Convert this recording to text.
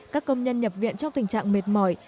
các công nhân nhập viện trong tình trạng mệt mỏi